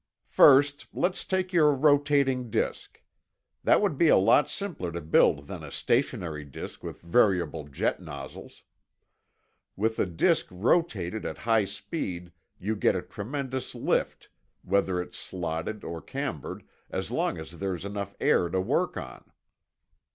"First, let's take your rotating disk. That would be a lot simpler to build than the stationary disk with variable jet nozzles. With a disk rotated at high speed you get a tremendous lift, whether it's slotted or cambered, as long as there's enough air to work on."